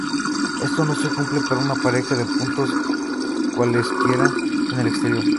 Esto no se cumple para una pareja de puntos cualesquiera en el exterior.